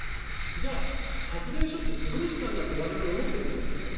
じゃあ、発電所ってすごい資産だって我々、思ってるじゃないですか。